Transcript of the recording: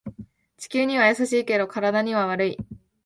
地球には優しいけど体には悪い